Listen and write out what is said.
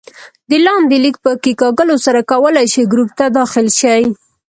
د لاندې لینک په کېکاږلو سره کولای شئ ګروپ ته داخل شئ